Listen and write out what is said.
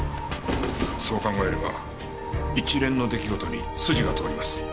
そう考えれば一連の出来事に筋が通ります。